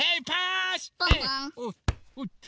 おおっと！